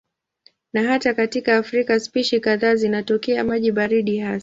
Na hata katika Afrika spishi kadhaa zinatokea maji baridi hasa.